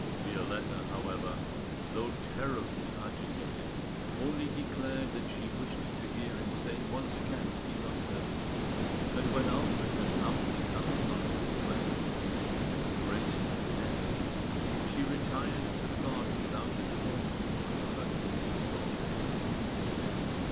Violetta, however, though terribly agitated, only declared that she wished to hear him say once again that he loved her; and when Alfred had amply satisfied her request, and embraced her tenderly, she retired to the garden without informing him of her new resolve.